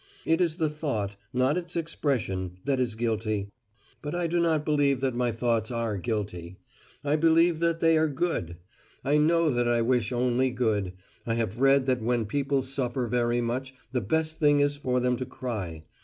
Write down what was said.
It is the thought, not its expression, that is guilty, but I do not believe that my thoughts are guilty: I believe that they are good. I know that I wish only good. I have read that when people suffer very much the best thing is for them to cry.